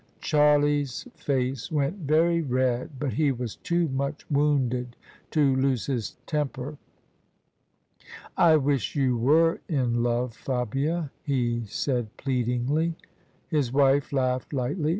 Charlie's face went very red, but he was too much wounded to lose his temper. " I wish you were in love, Fabia," he said, pleadingly. His wife laughed lightly.